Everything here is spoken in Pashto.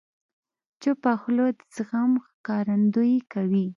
چپه خوله، د زغم ښکارندویي کوي.